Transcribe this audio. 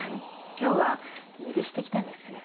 今日は家出してきたんです。